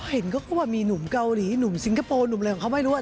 เห็นเขาก็ว่ามีหนุ่มเกาหลีหนุ่มสิงคโปร์หนุ่มอะไรของเขาไม่รู้